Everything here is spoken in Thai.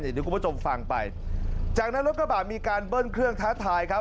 เดี๋ยวคุณผู้ชมฟังไปจากนั้นรถกระบะมีการเบิ้ลเครื่องท้าทายครับ